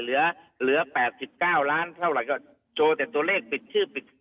เหลือเหลือแปดสิบเก้าล้านเท่าไรก็โชว์แต่ตัวเลขปิดชื่อปิด